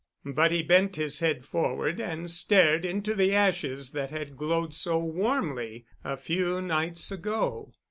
But he bent his head forward and stared into the ashes that had glowed so warmly a few nights ago.